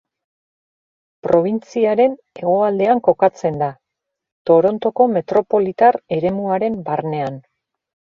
Probintziaren hegoaldean kokatzen da, Torontoko metropolitar eremuaren barnean.